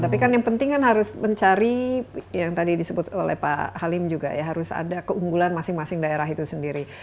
tapi kan yang penting kan harus mencari yang tadi disebut oleh pak halim juga ya harus ada keunggulan masing masing daerah itu sendiri